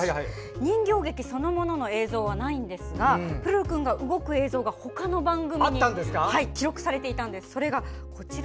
人形劇そのものの映像はないんですが他の番組で、プルルくんが動く映像が他の番組に記録されていたんです。